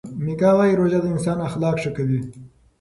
میکا وايي روژه د انسان اخلاق ښه کوي.